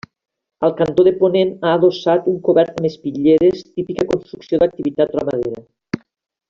Al cantó de ponent ha adossat un cobert amb espitlleres, típica construcció d'activitat ramadera.